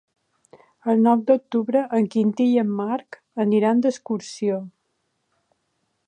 El nou d'octubre en Quintí i en Marc aniran d'excursió.